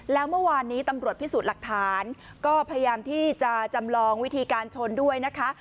แล้วเมื่อวานนี้ตำรวจพิสูจน์หลักฐานก็พยายามที่จะจำลองวิธีการชนด้วยนะคะ